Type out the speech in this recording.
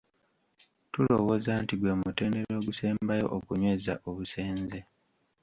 Tulowooza nti gwe mutendera ogusembayo okunyweza obusenze.